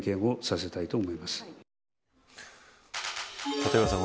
立岩さん